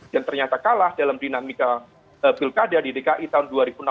yang ternyata kalah dalam dinamika pilkada di dki tahun dua ribu enam belas dua ribu tujuh belas